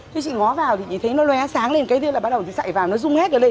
thế chị ngó vào thì chị thấy nó lé sáng lên cái tiếp là bắt đầu chị chạy vào nó dung hết rồi lên